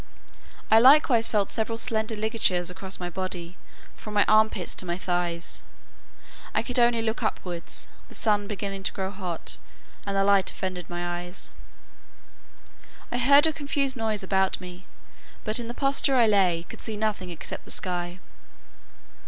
I likewise felt several slender ligatures across my body, from my arm pits to my thighs. I could only look upwards; the sun began to grow hot, and the light offended my eyes. I heard a confused noise about me; but in the posture I lay, could see nothing except the sky.